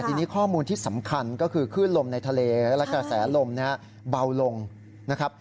ทีนี้ข้อมูลที่สำคัญก็คือคลื่นลมในทะเลและกระแสลมเนี่ยเบาลงนะครับ